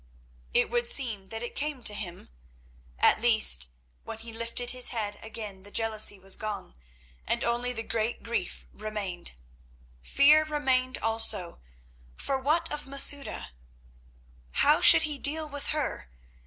It would seem that it came to him—at least, when he lifted his head again the jealousy was gone, and only the great grief remained. Fear remained also—for what of Masouda? How should he deal with her?